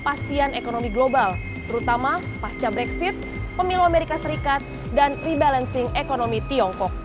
kepastian ekonomi global terutama pasca brexit pemilu amerika serikat dan rebalancing ekonomi tiongkok